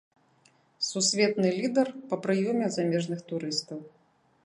Сусветны лідар па прыёме замежных турыстаў.